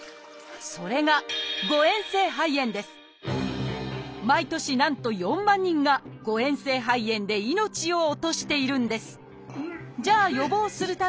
それが毎年なんと４万人が誤えん性肺炎で命を落としているんです。